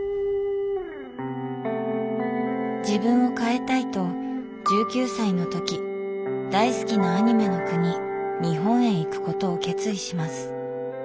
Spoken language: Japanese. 自分を変えたいと１９歳の時大好きなアニメの国日本へ行くことを決意します。